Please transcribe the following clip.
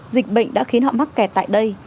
dịch bệnh đã khiến họ mắc kẹt tại đây